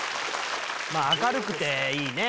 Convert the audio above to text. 明るくていいね。